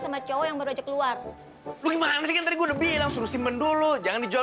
sama cowok yang baru aja keluar lu gimana sih gue udah bilang suruh simen dulu jangan dijual